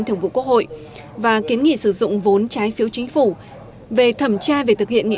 thường vụ quốc hội và kiến nghị sử dụng vốn trái phiếu chính phủ về thẩm tra về thực hiện nghị